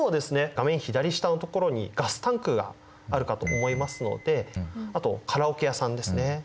画面左下のところにガスタンクがあるかと思いますのであとカラオケ屋さんですね。